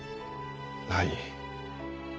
はい。